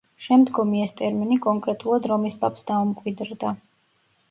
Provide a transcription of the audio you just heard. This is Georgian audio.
შემდგომი ეს ტერმინი კონკრეტულად რომის პაპს დაუმკვიდრდა.